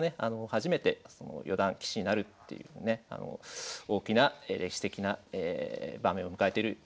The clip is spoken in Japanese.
初めて四段棋士になるっていうね大きな歴史的な場面を迎えてるところですね。